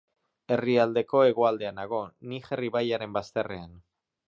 Herrialdeko hegoaldean dago, Niger ibaiaren bazterrean.